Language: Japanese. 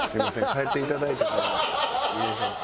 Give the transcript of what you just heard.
帰っていただいてもいいでしょうか。